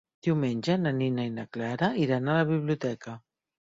Diumenge na Nina i na Clara iran a la biblioteca.